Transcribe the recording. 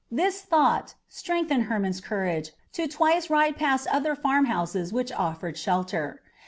This thought strengthened Hermon's courage to twice ride past other farmhouses which offered shelter.